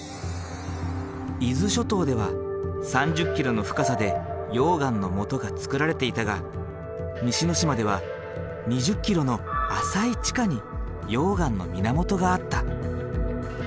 伊豆諸島では３０ｋｍの深さで溶岩のもとがつくられていたが西之島では２０ｋｍの浅い地下に溶岩の源があった。